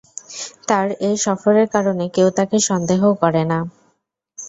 তার এ সফরের কারণে কেউ তাকে সন্দেহও করে না।